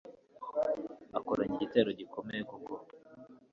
akoranya igitero gikomeye koko